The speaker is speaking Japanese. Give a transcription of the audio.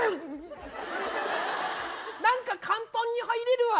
何か簡単に入れるわ。